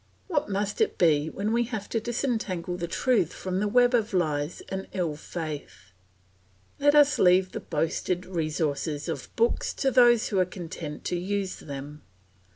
What must it be when we have to disentangle the truth from the web of lies and ill faith? Let us leave the boasted resources of books to those who are content to use them.